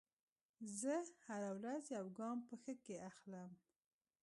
زه هره ورځ یو ګام په ښه کې اخلم.